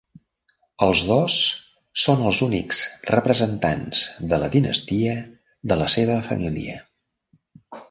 Els dos són els únics representants de la dinastia de la seva família.